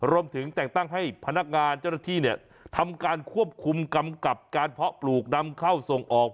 แต่งตั้งให้พนักงานเจ้าหน้าที่เนี่ยทำการควบคุมกำกับการเพาะปลูกนำเข้าส่งออก